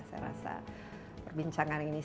saya rasa perbincangan ini